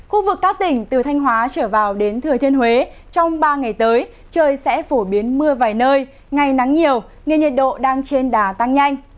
khu vực các tỉnh từ thanh hóa trở vào đến thừa thiên huế trong ba ngày tới trời sẽ phổ biến mưa vài nơi ngày nắng nhiều nên nhiệt độ đang trên đà tăng nhanh